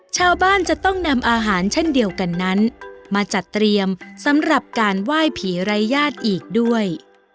ชาวบ้านจะต้องนำอาหารเช่นเดียวกันนั้นมาจัดเตรียมสำหรับการไหว้ผีไร้ญาติอีกด้วย